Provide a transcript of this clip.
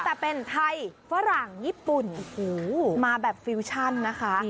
แต่เป็นไทยฝรั่งญี่ปุ่นโอ้โหมาแบบฟิวชั่นนะคะ